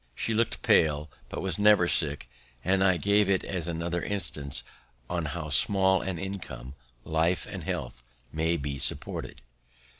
She look'd pale, but was never sick; and I give it as another instance on how small an income, life and health may be supported.